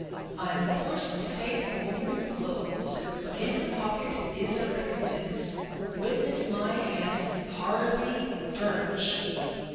I'm forced to take the woman's clothes, but in her pocket is a ricompinse. Witness my hand—Harvey Birch.